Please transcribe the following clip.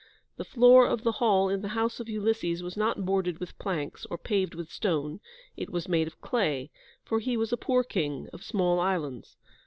The floor of the hall in the house of Ulysses was not boarded with planks, or paved with stone: it was made of clay; for he was a poor king of small islands.